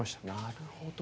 なるほど。